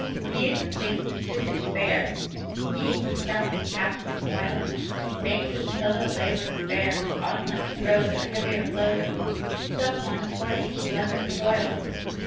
He who sinks into despair, He who from his task recoils, Makes his fellow laborers bear On life's road A heavier load. Some one for each sluggard toils.